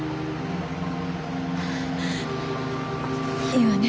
いいわね？